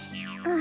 あ。